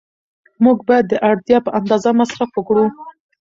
موږ باید د اړتیا په اندازه مصرف وکړو.